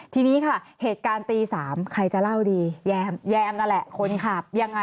ทีนี้ค่ะเหตุการณ์ตี๓ใครจะเล่าดีแยมนั่นแหละคนขับยังไง